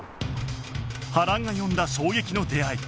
波乱が呼んだ衝撃の出会い